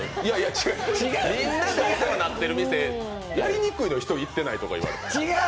違う、みんなでお世話になってる店、やりにくいのよ、１人、行ってないとか言われると。